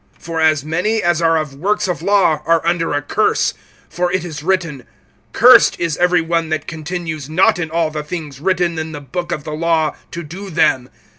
(10)For as many as are of works of law are under a curse; for it is written: Cursed is every one that continues not in all the things written in the book of the law, to do them.